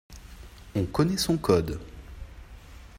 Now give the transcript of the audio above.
On connaît son Code.